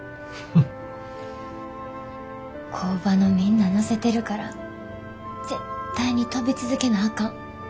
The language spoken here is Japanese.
工場のみんな乗せてるから絶対に飛び続けなあかん。